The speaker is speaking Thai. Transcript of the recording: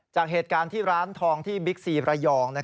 จากเหตุการณ์ที่ร้านทองที่บิ๊กซีระยอง